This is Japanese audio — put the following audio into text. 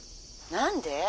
「何で？